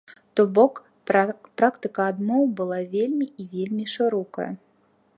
То бок, практыка адмоў была вельмі і вельмі шырокая.